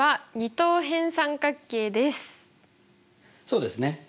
そうですね。